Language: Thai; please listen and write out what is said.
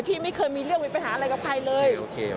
พี่ไม่เคยมีเรื่องมีปัญหาอะไรกับใครเลยโอเค